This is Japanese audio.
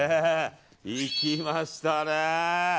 いきましたね。